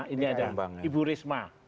ini ada ibu risma